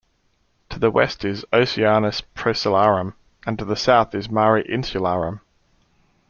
To the west is the Oceanus Procellarum, and to the south is Mare Insularum.